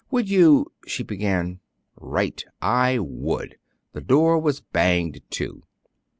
"Would you " she began. "Right! I would!" The door was banged to.